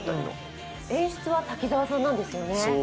演出は滝沢さんなんですよね。